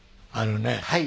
あのね